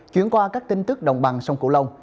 chuyển qua các tin tức đồng bằng sông cửu long